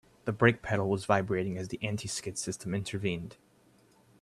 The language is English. The brake pedal was vibrating as the anti-skid system intervened.